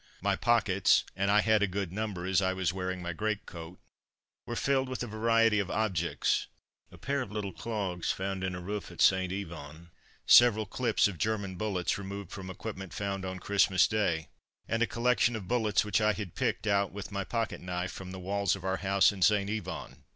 My pockets and I had a good number, as I was wearing my greatcoat were filled with a variety of objects. A pair of little clogs found in a roof at St. Yvon, several clips of German bullets removed from equipment found on Christmas Day, and a collection of bullets which I had picked out with my pocket knife from the walls of our house in St. Yvon.